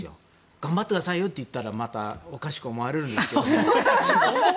頑張ってくださいよって言ったらまたおかしく思われるんでしょうけど。